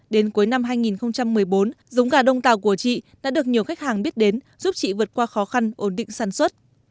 đến cuối năm hai nghìn một mươi bốn giống gà đông tàu của chị đã được nhiều khách hàng biết đến giúp chị vượt qua khó khăn ổn định sản xuất